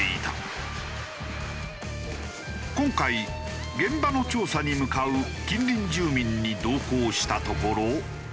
今回現場の調査に向かう近隣住民に同行したところ。